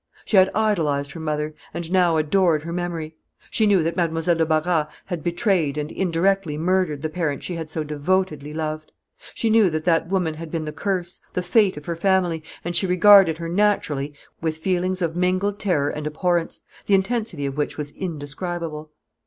She had idolized her mother, and now adored her memory. She knew that Mademoiselle de Barras had betrayed and indirectly murdered the parent she had so devotedly loved; she knew that that woman had been the curse, the fate of her family, and she regarded her naturally with feelings of mingled terror and abhorrence, the intensity of which was indescribable.